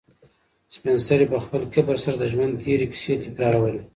سپین سرې په خپل کبر سره د ژوند تېرې کیسې تکرارولې.